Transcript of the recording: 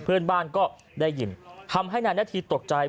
เพื่อนบ้านก็ได้ยินทำให้นายนาธีตกใจ